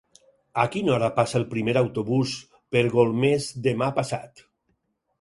A quina hora passa el primer autobús per Golmés demà passat?